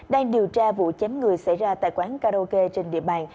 đang điều tra vụ chém người xảy ra tại quán karaoke trên địa bàn